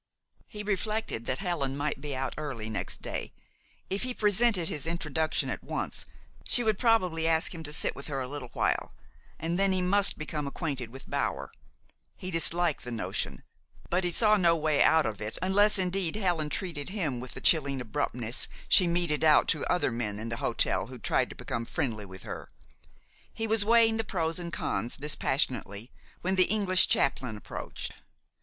He reflected that Helen might be out early next day. If he presented his introduction at once, she would probably ask him to sit with her a little while, and then he must become acquainted with Bower. He disliked the notion; but he saw no way out of it, unless indeed Helen treated him with the chilling abruptness she meted out to other men in the hotel who tried to become friendly with her. He was weighing the pros and cons dispassionately, when the English chaplain approached.